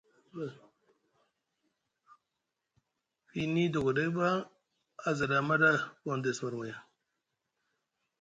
Fiini dogoɗay ɓa aza ɗa amaɗo Gondess marmaya ?